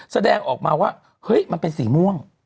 แสดงออกมาว่าเฮ้ยมันเป็นสีม่วง